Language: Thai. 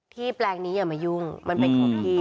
แปลงนี้อย่ามายุ่งมันเป็นของที่